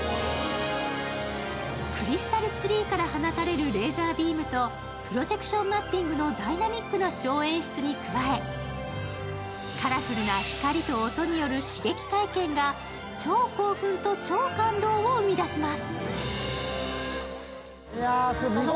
クリスタルツリーから放たれるレーザービームとプロジェクションマッピングのダイナミックなショー演出に加え、カラフルな光と音による刺激体験が超興奮と超感動を生み出します。